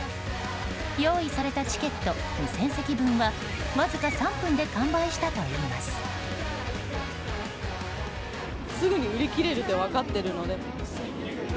用意されたチケット２０００席分はわずか３分で完売したといいます。